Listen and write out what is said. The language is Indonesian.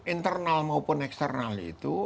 internal maupun eksternal itu